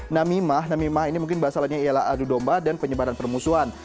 namimah namimah ini mungkin bahasa lainnya ialah adu domba dan penyebaran permusuhan